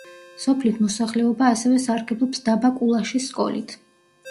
სოფლის მოსახლეობა ასევე სარგებლობს დაბა კულაშის სკოლით.